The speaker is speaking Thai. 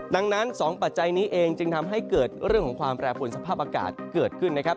ดังนั้น๒ปัจจัยนี้เองจึงทำให้เกิดเรื่องของความแปรปวนสภาพอากาศเกิดขึ้นนะครับ